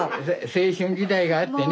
青春時代があってね。